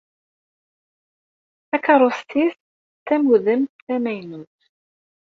Takerrust-is d tamudemt tamaynut.